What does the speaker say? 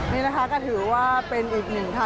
นี่นะคะก็ถือว่าเป็นอีกหนึ่งค่ะ